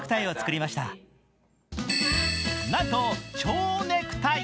なんと蝶ネクタイ。